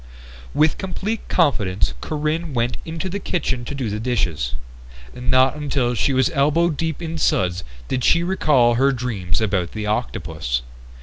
With complete confidence Corinne went into the kitchen to do the dishes. Not until she was elbow deep in suds did she recall her dreams about the octopus.